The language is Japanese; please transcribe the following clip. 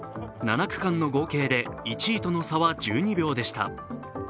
７区間の合計で１位との差は１２秒でした。